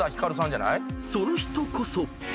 ［その人こそ］